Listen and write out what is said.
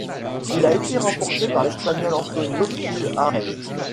Il a été remporté par l'Espagnol Antonio Suárez.